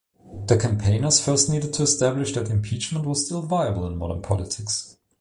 The campaigners first needed to establish that impeachment was still viable in modern politics.